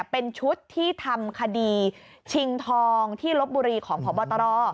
เป็นชุดที่ทำคดีชิงทองที่ลบบุรีของพบตร